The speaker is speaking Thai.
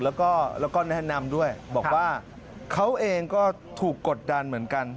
แล้วก็แนะนำด้วยบอกว่าเขาเองก็ถูกกดดันเหมือนกัน